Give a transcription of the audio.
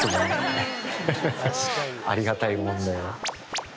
ありがたいもんで。